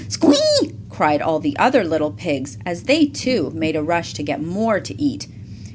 Squee!" cried all the other little pigs, as they, too, made a rush to get more to eat.